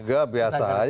enggak biasa aja